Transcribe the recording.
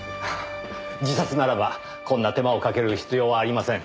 自殺ならばこんな手間をかける必要はありません。